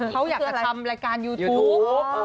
เขาอยากจะทำรายการยูทูป